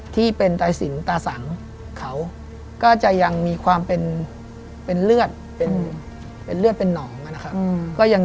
ที่เป็นใส่สินตาสังเขาก็จะยังมีความเป็นเลือดเป็นหนอง